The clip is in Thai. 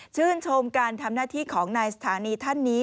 ชื่นชมการทำหน้าที่ของนายสถานีท่านนี้